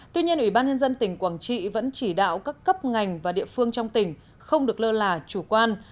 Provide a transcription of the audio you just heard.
tuy nhiên ủy ban nhân dân tỉnh quảng trị vẫn chỉ đạo các cấp ngành và địa phương trong tỉnh không được lơ là chủ quan